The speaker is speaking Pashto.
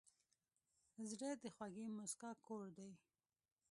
زړه د خوږې موسکا کور دی.